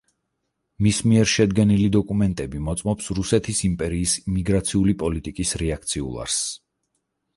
მის მიერ შედგენილი დოკუმენტები მოწმობს რუსეთის იმპერიის მიგრაციული პოლიტიკის რეაქციულ არსს.